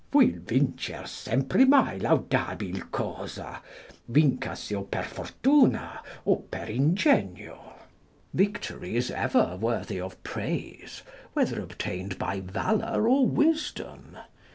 "Fu il vincer sempremai laudabil cosa, Vincasi o per fortuna, o per ingegno," ["Victory is ever worthy of praise, whether obtained by valour or wisdom."